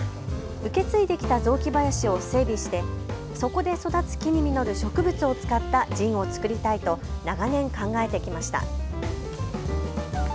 受け継いできた雑木林を整備してそこで育つ木に実る植物を使ったジンを造りたいと長年、考えてきました。